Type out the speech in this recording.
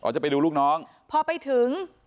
จะไปดูลูกน้องพอไปถึง